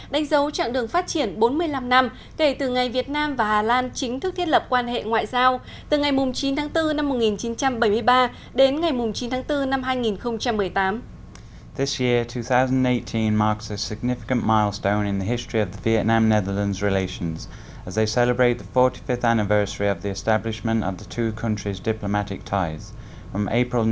đánh dấu trạng đường phát triển bốn mươi năm năm kể từ ngày việt nam và hà lan chính thức thiết lập quan hệ ngoại giao từ ngày chín tháng bốn năm một nghìn chín trăm bảy mươi ba đến ngày chín tháng bốn năm hai nghìn một mươi tám